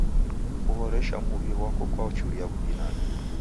Kuhoresha muw'i ghwako kwachuria w'ubinana.